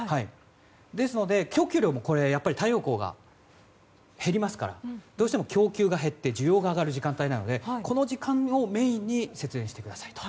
ですので、供給量も太陽光が減りますからどうしても供給が減り需要が上がる時間帯なのでこの時間をメインに節電してくださいと。